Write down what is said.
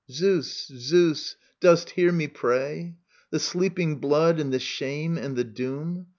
••. 2^eus, Zeus, dost hear me pray ?..• The sleeping blood and the shame and the doom